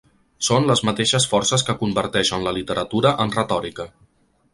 Són les mateixes forces que converteixen la literatura en retòrica.